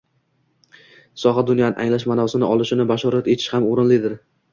soha «dunyoni anglash» ma’nosini olishini bashorat etish ham o‘rinlidir.